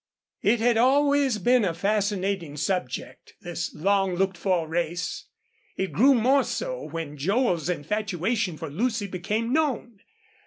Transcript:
It had always been a fascinating subject, this long looked for race. It grew more so when Joel's infatuation for Lucy became known.